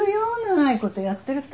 長いことやってると。